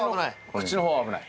口の方は危ない。